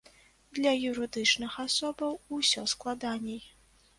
Для юрыдычных асобаў усё складаней.